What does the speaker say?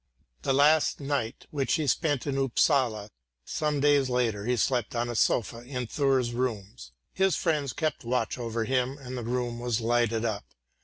The last night which he spent in Upsala some days later he slept on a sofa in Thurs' rooms; his friends kept watch over him, and the room was lighted up.